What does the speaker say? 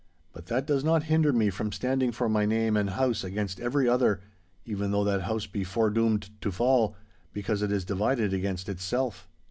But that does not hinder me from standing for my name and house against every other, even though that house be foredoomed to fall, because it is divided against itself.